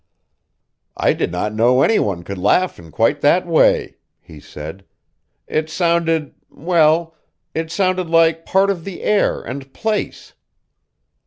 "I did not know any one could laugh in quite that way," he said. "It sounded well, it sounded like part of the air and place.